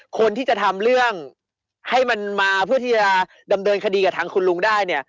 คนที่จะทำเรื่องให้มันมาเพื่อที่จะดำเนินคดีกับทางคุณลุงได้เนี่ย